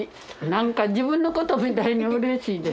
何か自分のことみたいにうれしいです。